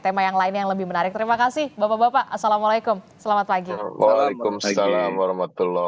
tema yang lain yang lebih menarik terima kasih bapak bapak assalamualaikum selamat pagi waalaikumsalam warahmatullahi wabarakatuh